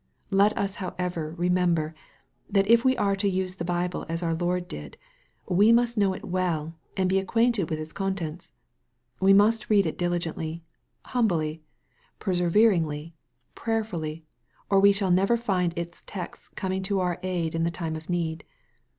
Let us however remember, that if we are to use the Bible as our Lord did. we must know it well, and be acquainted with its contents. We must read it diligently, humbly, perse veringly, prayerfully, or we shall never find its texts coming to our aid in the time of need.